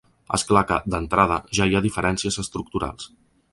És clar que, d’entrada, ja hi ha diferències estructurals.